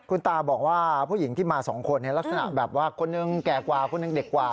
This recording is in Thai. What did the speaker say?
คุณตาบอกว่าผู้หญิงที่มา๒คนลักษณะแบบว่าคนหนึ่งแก่กว่าคนหนึ่งเด็กกว่า